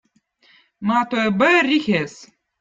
mato eb õõ rihez